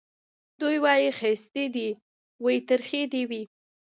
دی وايي ښايستې دي وي ترخې دي وي